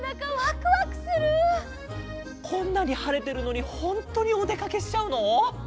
こんなにはれてるのにホントにおでかけしちゃうの？